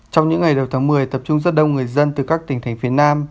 trong những ngày đầu tháng một mươi tập trung rất đông người dân từ các tỉnh thành phía nam